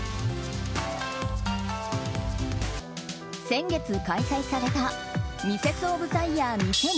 先月開催されたミセスオブザイヤー２０２２